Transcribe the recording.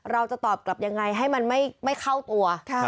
เราจะตอบกลับยังไงให้มันไม่เข้าตัว